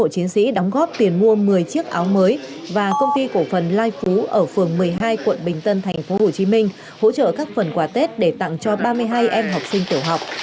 chiến sĩ đóng góp tiền mua một mươi chiếc áo mới và công ty cổ phần lai phú ở phường một mươi hai quận bình tân tp hcm hỗ trợ các phần quà tết để tặng cho ba mươi hai em học sinh tiểu học